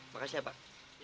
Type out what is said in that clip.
makasih ya pak